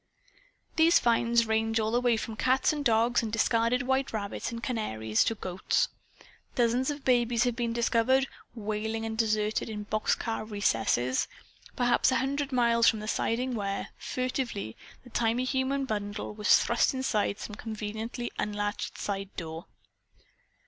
These finds range all the way from cats and dogs and discarded white rabbits and canaries, to goats. Dozens of babies have been discovered, wailing and deserted, in box car recesses; perhaps a hundred miles from the siding where, furtively, the tiny human bundle was thrust inside some conveniently unlatched side door.